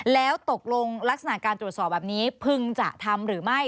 แล้วตกลงลักษณะการตรวจสอบแบบนี้พึงจะทำหรือไม่